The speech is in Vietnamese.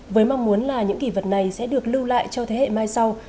với mong muốn là những kỷ vật này sẽ được lưu lại cho thế hệ mai sau